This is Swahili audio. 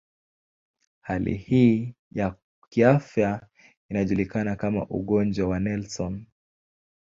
Hali hii ya kiafya inajulikana kama ugonjwa wa Nelson.